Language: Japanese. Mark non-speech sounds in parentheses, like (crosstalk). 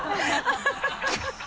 ハハハ (laughs)